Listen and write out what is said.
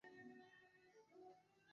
সকালে দেখা হবে, মামণি।